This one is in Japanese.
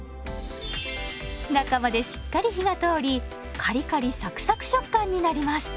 中までしっかり火が通りカリカリサクサク食感になります。